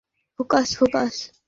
ভালো করে ফোকাস নেয়া হয়েছে।